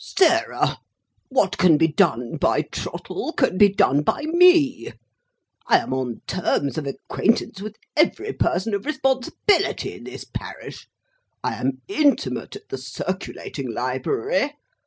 "Sarah! What can be done by Trottle, can be done by me. I am on terms of acquaintance with every person of responsibility in this parish. I am intimate at the Circulating Library.